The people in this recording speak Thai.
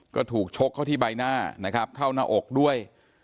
ก็ถูกชกเข้าที่ใบหน้านะครับเข้าหน้าอกด้วย